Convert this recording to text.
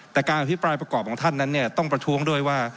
แต่การอภิปรายประกอบของท่านต้องประท้วงด้วยว่า